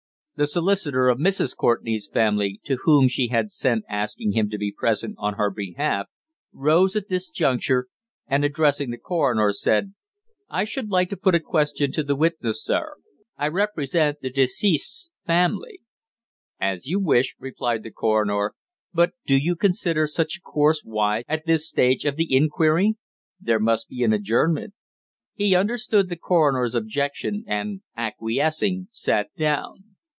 The solicitor of Mrs. Courtenay's family, to whom she had sent asking him to be present on her behalf, rose at this juncture and addressing the coroner, said: "I should like to put a question to the witness, sir. I represent the deceased's family." "As you wish," replied the coroner. "But do you consider such a course wise at this stage of the inquiry? There must be an adjournment." He understood the coroner's objection and, acquiescing, sat down.